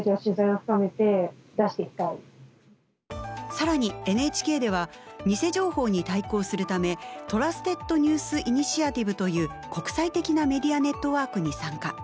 更にＮＨＫでは偽情報に対抗するため「トラステッド・ニュース・イニシアティブ」という国際的なメディアネットワークに参加。